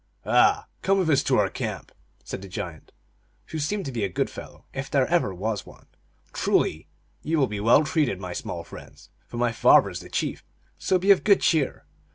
"Ah, come with us to our camp," said the giant, who seemed to be a good fellow, if there ever was one. " Truly, ye will be well treated, my small friends, for my father is the chief; so be of good cheer